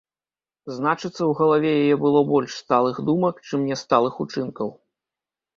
Значыцца, у галаве яе было больш сталых думак, чым нясталых учынкаў.